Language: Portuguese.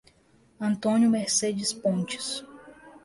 Antônio Mercedes Pontes